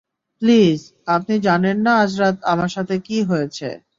Please, আপনি জানেন না আজ রাত আমার সাথে কী হয়েছে?